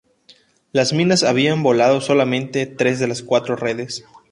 Las minas habían volado solamente tres de las cuatro redes.